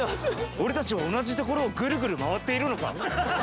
俺たちは同じ所をぐるぐる回っているのか？